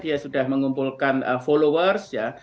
dia sudah mengumpulkan followers